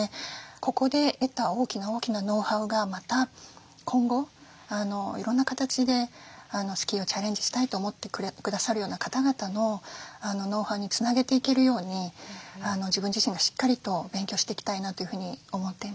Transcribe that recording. ここで得た大きな大きなノウハウがまた今後いろんな形でスキーをチャレンジしたいと思ってくださるような方々のノウハウにつなげていけるように自分自身がしっかりと勉強していきたいなというふうに思っています。